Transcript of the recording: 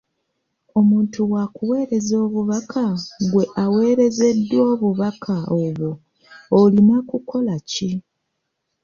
Omuntu w'akuweereza obubaka, ggwe aweerezeddwa obubaka obwo olina kukola ki?